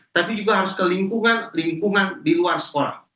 tapi juga harus ke lingkungan lingkungan di luar sekolah